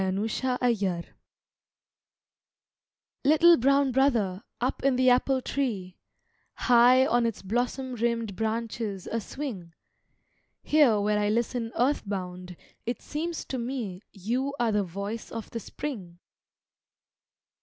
THE ROBIN Little brown brother, up in the apple tree, High on its blossom rimmed branches aswing, Here where I listen earth bound, it seems to me You are the voice of the spring.